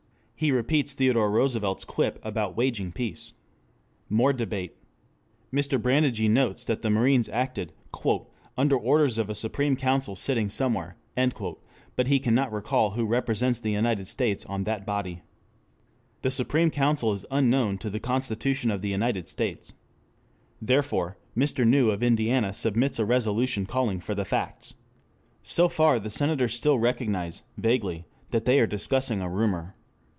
He repeats Theodore Roosevelt's quip about "waging peace." More debate. Mr. Brandegee notes that the marines acted "under orders of a Supreme Council sitting somewhere," but he cannot recall who represents the United States on that body. The Supreme Council is unknown to the Constitution of the United States. Therefore Mr. New of Indiana submits a resolution calling for the facts. So far the Senators still recognize vaguely that they are discussing a rumor.